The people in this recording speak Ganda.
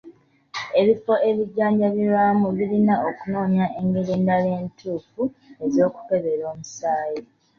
Ebifo ebijjanjabirwamu birina okunoonya engeri endala entuufu ez'okukebera omusaayi.